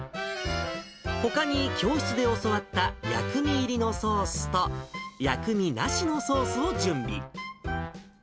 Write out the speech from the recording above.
ほかに教室で教わった薬味入りのソースと、薬味なしのソースを準備。